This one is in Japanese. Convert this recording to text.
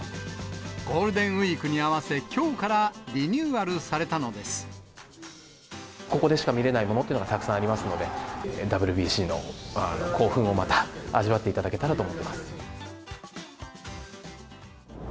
ゴールデンウィークに合わせ、きょうからリニューアルされたのここでしか見れないものっていうのがたくさんありますので、ＷＢＣの興奮をまた味わっていただけたらと思います。